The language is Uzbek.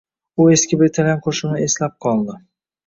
U eski bir italyan qoʻshigʻini eslab qoldi.